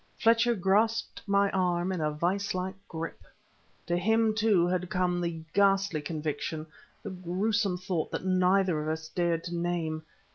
Fletcher grasped my arm in a vice like grip. To him, too, had come the ghastly conviction the gruesome thought that neither of us dared to name.